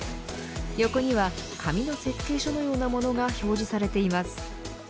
横には紙の設計書のようなものが表示されています。